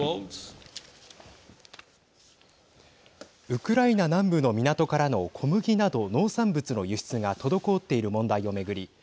ウクライナ南部の港からの小麦など、農産物の輸出が滞っている問題を巡り